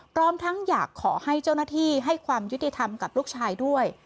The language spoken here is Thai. พร้อมทั้งอยากขอให้เจ้าหน้าที่ให้ความยุติธรรมกับลูกชายด้วย